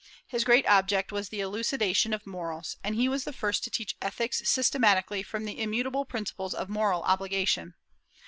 His great object was the elucidation of morals; and he was the first to teach ethics systematically from the immutable principles of moral obligation.